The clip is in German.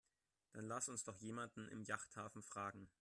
Dann lass uns doch jemanden im Yachthafen fragen.